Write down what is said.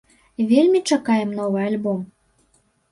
Вельмі чакаем новы альбом!